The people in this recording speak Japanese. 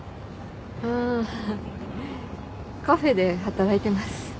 ああカフェで働いてます。